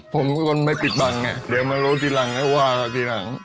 ผมก็ไม่ปิดบังไงเดี๋ยวมารู้ทีหลังแล้วว่าทีหลัง